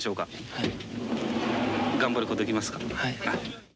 はい。